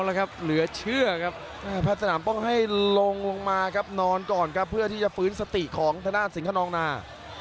แรลซึนป้องให้ลงมาครับนอนก่อนครับเพื่อที่จะฝืนสติของธนาสิงฆ์ขนองนา